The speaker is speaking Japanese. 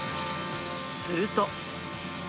すると。